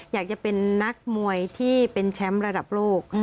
อยากจะเป็นนักมวยที่เป็นแชมป์ระดับโลก